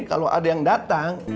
kalau ada yang datang